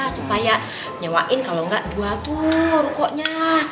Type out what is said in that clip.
supaya nyewain kalau nggak jual tuh rukunya